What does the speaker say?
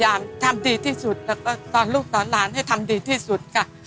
แล้วคุณก็ตอนลูกตอนล้านให้ทำดีที่สุด